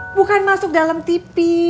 bukan masuk dalam tv